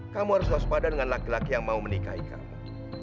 kamu harus waspada dengan laki laki yang mau menikahi kamu